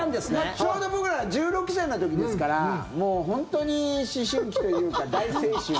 ちょうど僕らが１６歳の時ですからもう本当に思春期というか大青春。